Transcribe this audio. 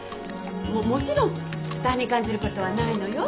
もちろん負担に感じることはないのよ。